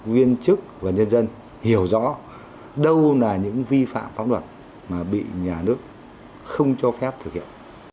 viên chức và nhân dân hiểu rõ đâu là những vi phạm pháp luật mà bị nhà nước không cho phép thực hiện